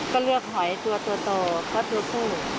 ก็เลือกหอยตัวตัวโตเพราะตัวผู้